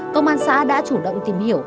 công an xã đã chủ động tìm hiểu